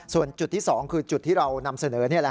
ส่วนจุดที่๒คือจุดที่เรานำเสนอนี่แหละ